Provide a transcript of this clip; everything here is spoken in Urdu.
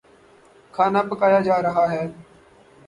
کھانا پکایا جا رہا ہے